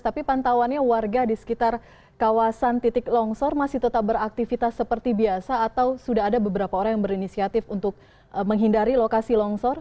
tapi pantauannya warga di sekitar kawasan titik longsor masih tetap beraktivitas seperti biasa atau sudah ada beberapa orang yang berinisiatif untuk menghindari lokasi longsor